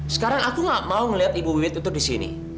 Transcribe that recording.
sekarang aku nggak mau liat ibu wit itu di sini